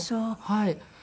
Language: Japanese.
はい。